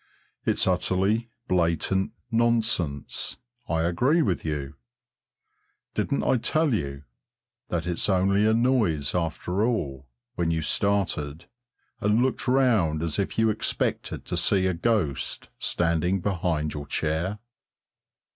It's utterly blatant nonsense, I agree with you. Didn't I tell you that it's only a noise after all when you started and looked round as if you expected to see a ghost standing behind your chair?